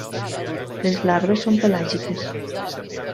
Les larves són pelàgiques.